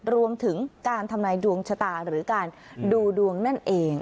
รวมถึงการทำนายดวงชะตาหรือการดูดวงนั่นเอง